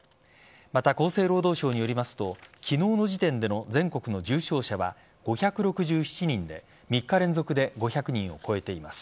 また、厚生労働省によりますと昨日の時点での全国の重症者は５６７人で３日連続で５００人を超えています。